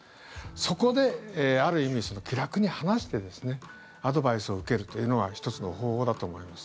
そこで、ある意味気楽に話してアドバイスを受けるというのは１つの方法だと思います。